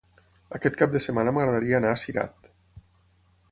Aquest cap de setmana m'agradaria anar a Cirat.